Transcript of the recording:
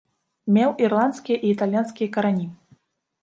Меў ірландскія і італьянскія карані.